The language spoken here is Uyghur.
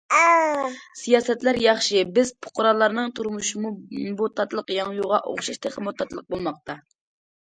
سىياسەتلەر ياخشى، بىز پۇقرالارنىڭ تۇرمۇشىمۇ بۇ تاتلىق ياڭيۇغا ئوخشاش تېخىمۇ« تاتلىق» بولماقتا.